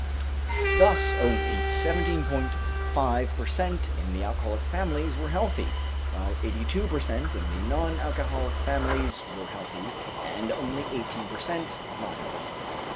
Thus only 17.5 per cent. in the alcoholic families were healthy, while eighty two per cent. in the non alcoholic families were healthy, and only eighteen per cent. not healthy.